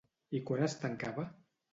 I quan es tancava?